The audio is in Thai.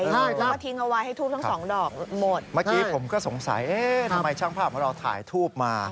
เมื่อกี้ผมก็สงสัยทำไมช่างภาพเราถ่ายถูปมา